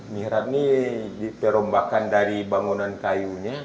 mihrat ini diperombakkan dari bangunan kayunya